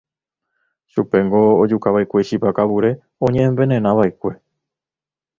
Chupéngo ojukava'ekue chipa kavure oñe'envenenava'ekue.